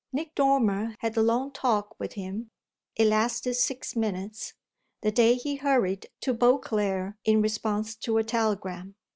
Nick Dormer had a long talk with him it lasted six minutes the day he hurried to Beauclere in response to a telegram.